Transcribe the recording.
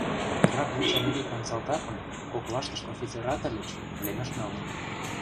Ирак вич американ салтакым, коклаштышт офицерат ыльыч, пленыш налын.